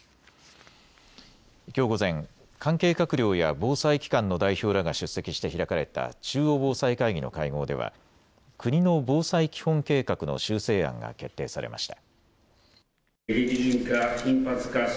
きょう午前、関係閣僚や防災機関の代表らが出席して開かれた中央防災会議の会合では国の防災基本計画の修正案が決定されました。